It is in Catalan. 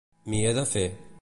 M'hi he de fer.